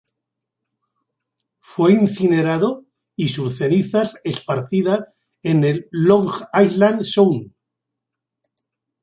Fue incinerado, y sus cenizas esparcidas en el Long Island Sound.